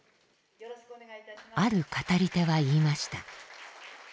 ある語り手は言いました。